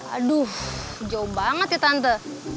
aduh jauh banget ya tante